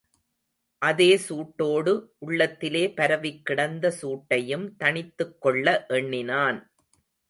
அதே சூட்டோடு, உள்ளத்திலே பரவிக்கிடந்த சூட்டையும் தணித்துக்கொள்ள எண்ணினான்.